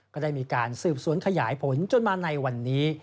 ก็ได้มีการสืบสวนขยายผลจนมาในวันนี้